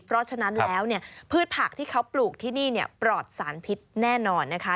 เพราะฉะนั้นแล้วเนี่ยพืชผักที่เขาปลูกที่นี่ปลอดสารพิษแน่นอนนะคะ